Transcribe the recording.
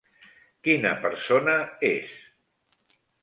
Quina persona és?